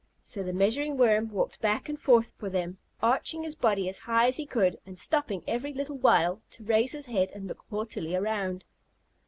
So the Measuring Worm walked back and forth for them, arching his body as high as he could, and stopping every little while to raise his head and look haughtily around.